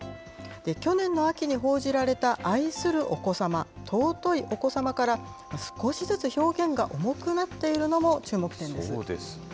去年の秋に報じられた愛するお子様、尊いお子様から、少しずつ表現が重くなっているのも注目点です。